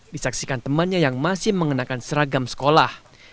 disaksikan temannya yang masih mengenakan seragam sekolah